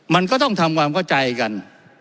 มันก็ต้องทำความเข้าใจกัน